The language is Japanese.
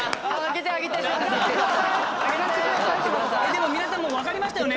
でも皆さんもうわかりましたよね？